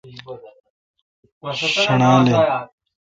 شݨال این۔